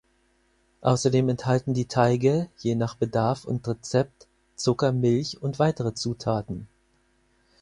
Außerdem enthalten die Teige, je nach Bedarf und Rezept, Zucker, Milch und weitere Zutaten.